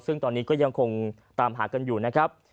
ซึ่งตอนนี้ก็ยังคงตามหากันอยู่นะครับ